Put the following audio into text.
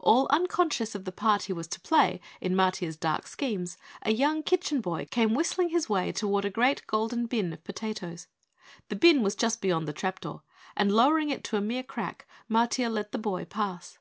All unconscious of the part he was to play in Matiah's dark schemes, a young Kitchen Boy came whistling his way toward a great golden bin of potatoes. The bin was just beyond the trapdoor, and lowering it to a mere crack, Matiah let the boy pass.